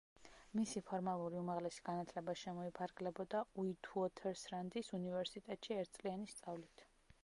მისი ფორმალური უმაღლესი განათლება შემოიფარგლებოდა უითუოთერსრანდის უნივერსიტეტში ერთწლიანი სწავლით.